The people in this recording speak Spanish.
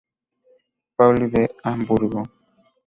Pauli de Hamburgo.